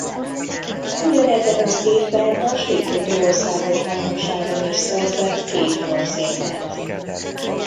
Ugyanebben az évben a Sífutó országos bajnokságon is szerzett két bronzérmet.